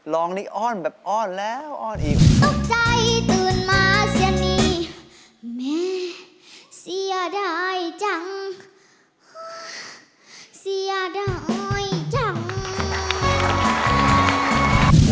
ร้องนี้อ้อนแบบอ้อนแล้วอ้อนอีก